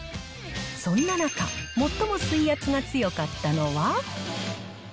そんな中、最も水圧が強かったのは。